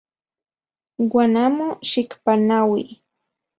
Uan amo xikpanaui.